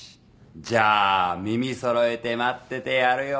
じゃあ耳そろえて待っててやるよ。